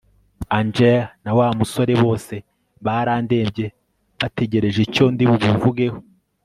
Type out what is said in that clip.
Angel na wa musore bose barandebye bategereje icyo ndi bubivugeho